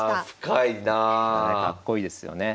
かっこいいですよね。